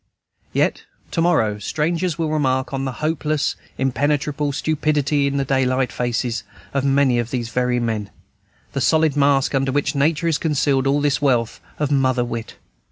Yet to morrow strangers will remark on the hopeless, impenetrable stupidity in the daylight faces of many of these very men, the solid mask under which Nature has concealed all this wealth of mother wit.